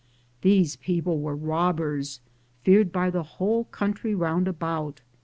These people were robbers, feared by the whole country round about.